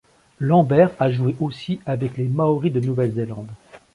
Lambert a joué aussi avec les Māori de Nouvelle-Zélande.